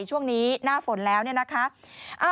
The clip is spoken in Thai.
ช่วงนี้หน้าฝนแล้วนะคะ